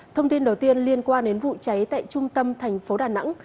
thông tin đầu tiên liên quan đến vụ cháy tại trung tâm thành phố đà nẵng